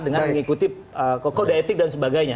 dengan mengikuti kode etik dan sebagainya